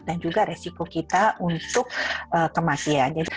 dan juga resiko kita untuk kematian